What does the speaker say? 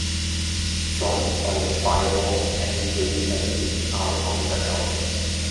Songs by The Fireballs and Duane Eddy are on the album.